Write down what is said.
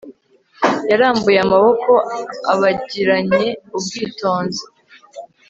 Yarambuye amaboko abigiranye ubwitonzi